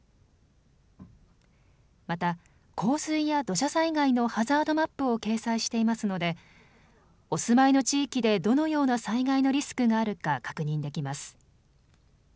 また、洪水や土砂災害のハザードマップを掲載していますのでお住まいの地域でどのような災害のリスクがあるか確認できます。